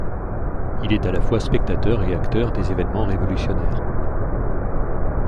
Il est à la fois spectateur et acteur des événements révolutionnaires.